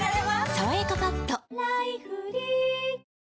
「さわやかパッド」